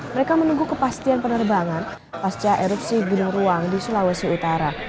mereka menunggu kepastian penerbangan pasca erupsi gunung ruang di sulawesi utara